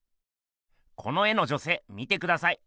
この絵の女せい見てください。